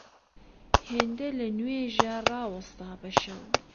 هێندە لە نوێژا ڕاوەستا بە شەو